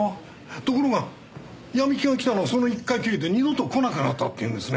ところがヤミ金が来たのはその１回きりで二度と来なくなったっていうんですね。